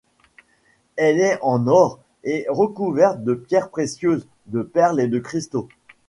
Elle est en or et recouverte de pierres précieuses, de perles et de cristaux.